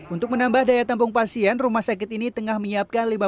untuk menambah daya tampung pasien rumah sakit ini tengah menyiapkan